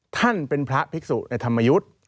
ท่านเป็นพระภิกษุในธรรมยุทธ์